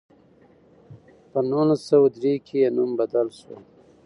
په نولس سوه درې کې یې نوم بدل شو.